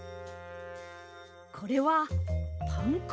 これはパンくず！